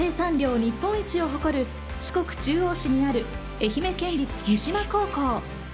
日本一を誇る、四国中央市にある、愛媛県立三島高校。